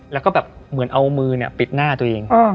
แล้วก็แบบเหมือนเอามือปิดหน้าตัวเอง